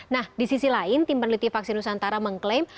nah di sisi lain tim peneliti vaksin nusantara mengklaim